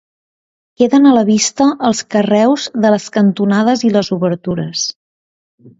Queden a la vista els carreus de les cantonades i les obertures.